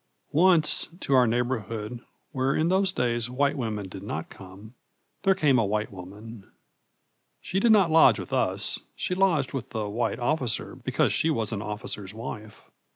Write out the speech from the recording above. Once, to our neighborhood, where in those days white women did not come, there came a white woman. She did not lodge with us; she lodged with the white officer because she was an officer's wife.